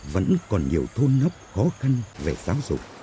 vẫn còn nhiều thôn nóc khó khăn về giáo dục